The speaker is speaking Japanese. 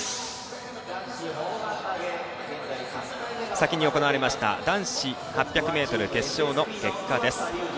先に行われました男子８００ｍ決勝の結果です。